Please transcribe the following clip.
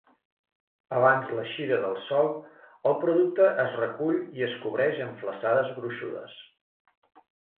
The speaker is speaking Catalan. Abans l'eixida del sol, el producte es recull i es cobreix amb flassades gruixudes.